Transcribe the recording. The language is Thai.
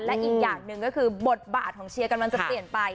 และอีกอย่างหนึ่งก็คือบทบาทของเชียร์กำลังจะเปลี่ยนไป